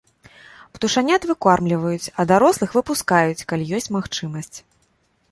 Птушанят выкармліваюць, а дарослых выпускаюць, калі ёсць магчымасць.